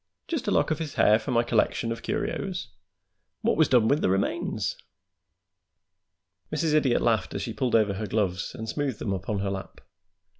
"Just a lock of his hair for my collection of curios? What was done with the remains?" Mrs. Idiot laughed as she pulled over her gloves and smoothed them upon her lap.